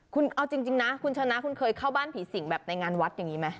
คุณเอาจริงนะคุณชนะคุณเคยเข้าบ้านผีสิงแบบในงานวัดอย่างนี้ไหม